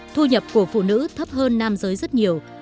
thu nhập của phụ nữ thấp hơn nam giới rất nhiều